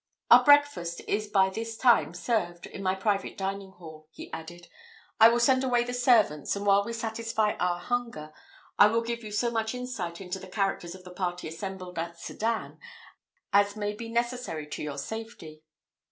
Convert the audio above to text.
Our breakfast is by this time served in my private dining hall," he added: "I will send away the servants; and while we satisfy our hunger, I will give you so much insight into the characters of the party assembled at Sedan, as may be necessary to your safety."